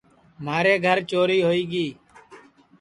مھارے گھر چوری ہوئی گی